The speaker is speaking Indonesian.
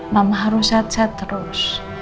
mama harus sehat sehat terus